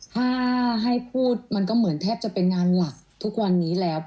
ถ้าให้พูดมันก็เหมือนแทบจะเป็นงานหลักทุกวันนี้แล้ว